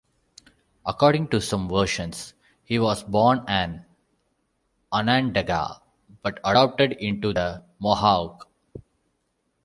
According to some versions, he was born an Onondaga, but adopted into the Mohawk.